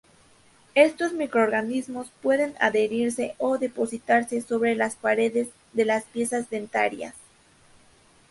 Estos microorganismos pueden adherirse o depositarse sobre las paredes de las piezas dentarias.